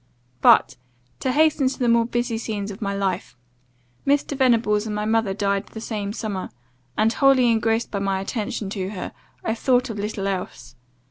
"But, to hasten to the more busy scenes of my life. Mr. Venables and my mother died the same summer; and, wholly engrossed by my attention to her, I thought of little else.